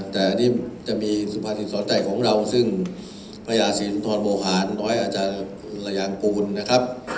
แต่อันนี้จะมีสุภาษีสอนใจของเราซึ่งพญาศิริรุนทร์โบหารน้อยอาจารยางปูนนะครับ